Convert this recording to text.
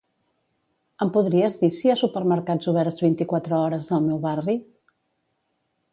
Em podries dir si hi ha supermercats oberts vint-i-quatre hores al meu barri?